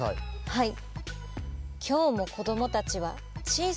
はい。